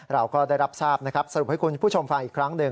เราก็ได้รับทราบนะครับสรุปให้คุณผู้ชมฟังอีกครั้งหนึ่ง